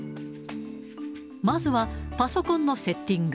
まずはパソコンのセッティング。